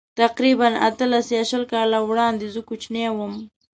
تقریباً اتلس یا شل کاله وړاندې زه کوچنی وم.